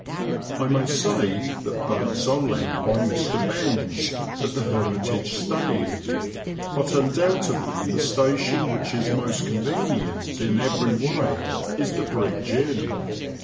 113 I may say that boats are let by Mr Benns, at the Her mitage Staithe, but undoubtedly the station which is most convenient in every way is the Bridge Inn.